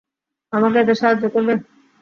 আমাকে এতে সাহায্য করবে?